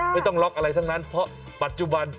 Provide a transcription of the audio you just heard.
ไม่ต้องล็อกอะไรทั้งนั้นเพราะปัจจุบัน